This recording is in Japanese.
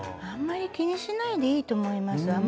あんまり気にしないでいいと思います。